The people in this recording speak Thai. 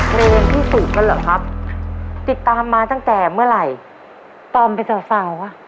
พ่อเครงพี่สุดก็เหรอครับติดตามมาตั้งแต่เมื่อไหร่ตอบไปสาวว่ะ